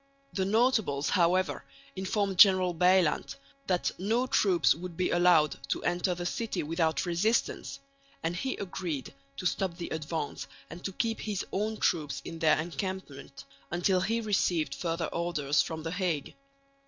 The notables however informed General Bylandt that no troops would be allowed to enter the city without resistance; and he agreed to stop the advance and to keep his own troops in their encampment until he received further orders from the Hague.